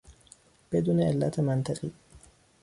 بدون علت منطقی